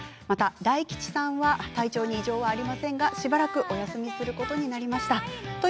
また大吉さんは体調に異常はありませんがしばらくお休みすることになりました。